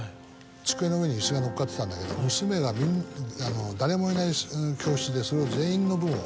机の上に椅子がのっかってたんだけど娘が誰もいない教室でそれを。